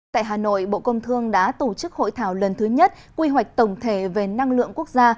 tại hà nội bộ công thương đã tổ chức hội thảo lần thứ nhất quy hoạch tổng thể về năng lượng quốc gia